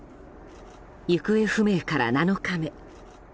行方不明から７日目。